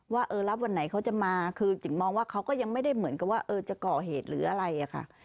ว่าเออรับวันไหนเขาจะมาคือจิ๋งมองว่าเขาก็ยังไม่ได้เหมือนกับว่าจะก่อเหตุหรืออะไรอะค่ะ